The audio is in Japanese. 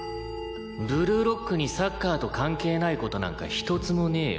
「ブルーロックにサッカーと関係ない事なんか一つもねえよ」